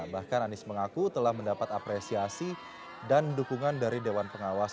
bahkan anies mengaku telah mendapat apresiasi dan dukungan dari dewan pengawas